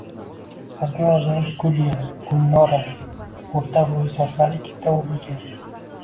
Qiz oʼzini Gulya — Gulnora; oʼrta boʼy, sochlari ikkita oʼrilgan